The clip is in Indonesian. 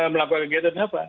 melakukan kegiatan apa